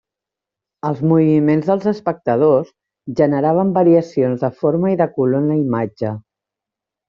Els moviments dels espectadors generaven variacions de forma i de color en la imatge.